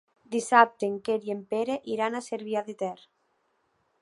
Dissabte en Quer i en Pere iran a Cervià de Ter.